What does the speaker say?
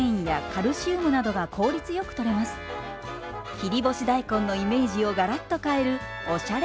切り干し大根のイメージをガラッと変えるおしゃれ